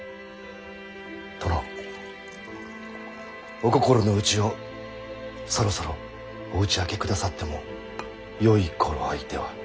お心の内をそろそろお打ち明けくださってもよい頃合いでは？